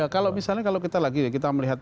kalau misalnya kita lagi melihat